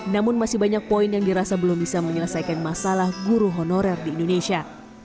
namun masih banyak poin yang dirasa belum bisa menyelesaikan masalah guru honorer di indonesia